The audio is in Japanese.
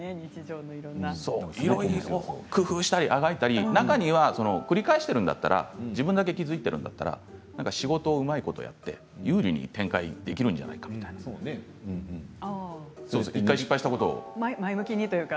いろいろ工夫したりあがいたり中には繰り返しているんだったら自分だけが気付いているんだったら仕事をうまいことやって有利に展開できるんじゃないかみたいな１回失敗したことを。